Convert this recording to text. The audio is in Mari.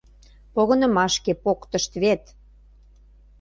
Погынымашке поктышт вет.